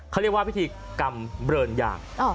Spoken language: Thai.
เขาเรียกว่าพิธีกรรมเบิร์นยาง